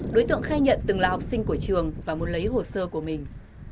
đối tượng khai nhận từng là học sinh của trường và muốn lấy hồ sơ của mình